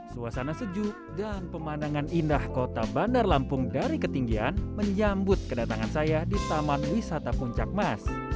suasana sejuk dan pemandangan indah kota bandar lampung dari ketinggian menyambut kedatangan saya di taman wisata puncak mas